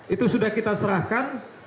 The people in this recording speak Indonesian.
itu sudah kita serahkan